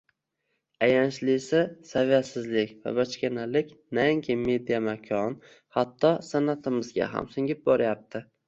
Ayanchlisi, saviyasizlik va bachkanalik nainki media makon, hatto san`atimizga ham singib boryapti